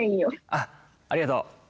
あっありがとう。